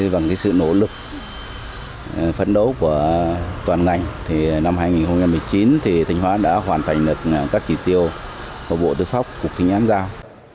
bằng sự nỗ lực phấn đấu của toàn ngành thì năm hai nghìn một mươi chín thì thanh hóa đã hoàn thành được các chỉ tiêu mà bộ tư pháp cục thính án giao